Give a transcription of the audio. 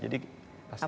jadi pasti ada